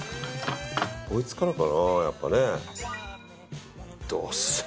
こいつからかな、やっぱりね。